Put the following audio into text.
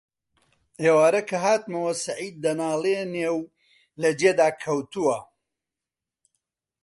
ئێوارە کە هاتمەوە سەعید دەناڵێنێ و لە جێدا کەوتووە: